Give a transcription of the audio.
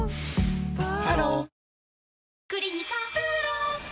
ハロー